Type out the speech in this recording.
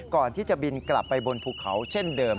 ก่อนที่จะบินกลับไปบนภูเขาเช่นเดิม